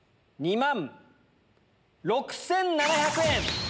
２万６７００円。